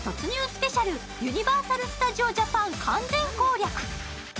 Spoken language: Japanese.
スペシャル、ユニバーサル・スタジオ・ジャパン完全攻略。